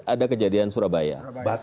ada kejadian surabaya